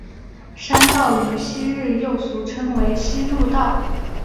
山道于昔日又俗称为希路道。